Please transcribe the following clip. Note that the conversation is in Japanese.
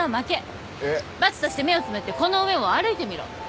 罰として目をつむってこの上を歩いてみろ。